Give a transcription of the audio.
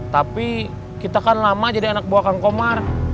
tapi kita kan lama jadi anak buah kang komar